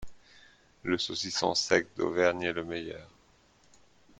Le saucisson sec d’Auvergne est le meilleur.